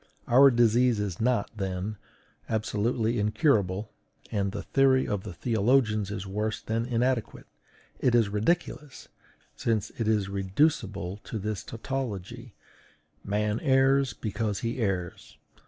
Our disease is not, then, absolutely incurable, and the theory of the theologians is worse than inadequate; it is ridiculous, since it is reducible to this tautology: "Man errs, because he errs."